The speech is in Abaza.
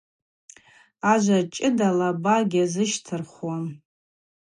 Ажва чӏыда лаба гьазыщтӏырхуам.